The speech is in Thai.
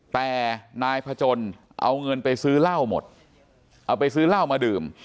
แต่นายพจนเอาเงินไปซื้อเหล้าหมดเอาไปซื้อเหล้ามาดื่ม